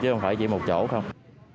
chứ không phải chỉ một chỗ không